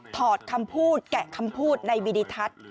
อดคำพูดแกะคำพูดในวิดิทัศน์